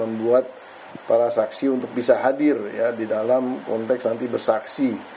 membuat para saksi untuk bisa hadir ya di dalam konteks nanti bersaksi